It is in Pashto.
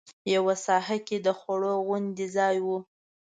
یوه ساحه کې د خوړ غوندې ځای و.